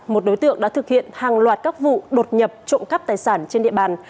một đối tượng đã thực hiện hàng loạt các vụ đột nhập trộm cắp tài sản trên địa bàn